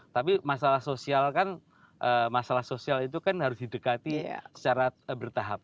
tapi masalah sosial kan masalah sosial itu kan harus didekati secara bertahap